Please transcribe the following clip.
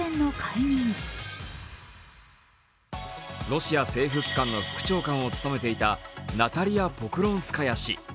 ロシア政府機関の副長官を務めていたナタリヤ・ポクロンスカヤ氏。